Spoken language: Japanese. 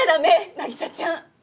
凪沙ちゃん。